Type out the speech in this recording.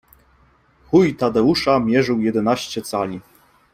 Chuj Tadeusza mierzył jedenaście cali